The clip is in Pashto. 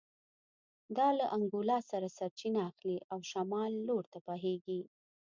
دا له انګولا څخه سرچینه اخلي او شمال لور ته بهېږي